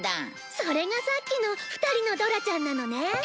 それがさっきの２人のドラちゃんなのね。